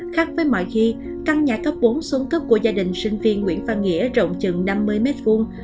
khác với mọi khi căn nhà cấp bốn xuống cấp của gia đình sinh viên nguyễn văn nghĩa rộng chừng năm mươi mét vuông